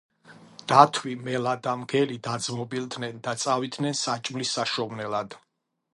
დათვი, მელა და მგელი დაძმობილდნენ და წავიდნენ საჭმლის საშოვნელად.